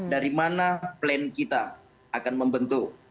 dari mana plan kita akan membentuk